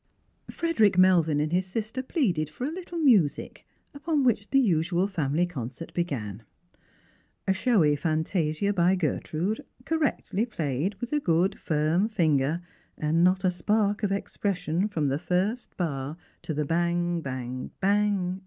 Frederick ^Melvin and his sister pleaded for a little music, upon which the usual family concert began: a showy fantasia by Gertrude, correctly played, with a good firm finger, and not a spark of expression from the first bar to the bang, bang, hang